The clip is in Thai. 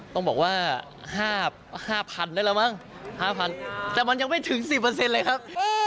ต้องบอกว่า๕พันได้แล้วมั้ง๕พันแต่มันยังไม่ถึง๑๐เปอร์เซ็นต์เลยครับ